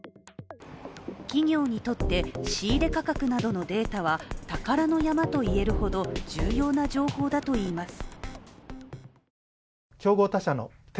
企業にとって仕入れ価格などのデータは宝の山と言えるほど重要な情報だといいます。